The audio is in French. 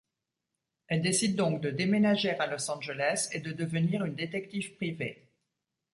Elle décide donc de déménager à Los Angeles et de devenir une détective privée.